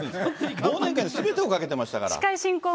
忘年会にすべてを懸けてましたから。